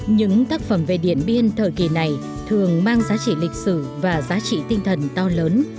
những tác phẩm về điện biên thời kỳ này thường mang giá trị lịch sử và giá trị tinh thần to lớn